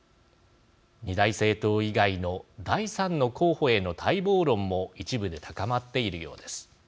２大政党以外の第３の候補への待望論も一部で高まっているようです。